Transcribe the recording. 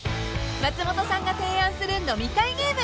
［松本さんが提案する飲み会ゲーム］